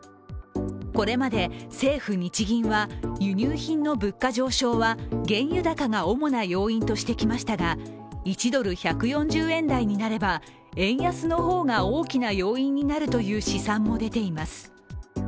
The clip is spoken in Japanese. これまで政府・日銀は輸入品の物価上昇は原油高が主な要因としてきましたが、１ドル＝１４０円台になれば円安の方が大きな要因になるという試算も出ています。